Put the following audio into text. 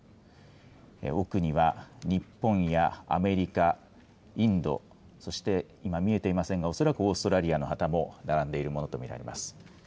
奥には日本やアメリカ、インド、そして今見えていませんが、恐らくオーストラリアの旗も並んでいるものと見られます。